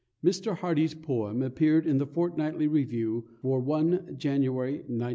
Mr. Hardy's poem appeared in the Fortnightly Review, for 1 January, 1907.